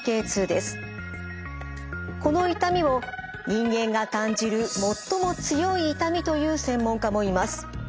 この痛みを人間が感じる最も強い痛みと言う専門家もいます。